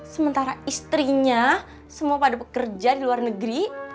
sementara istrinya semua pada pekerja di luar negeri